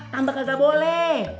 tambah kagak boleh